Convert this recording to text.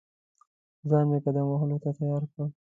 ځان مې قدم وهلو ته تیار کړ.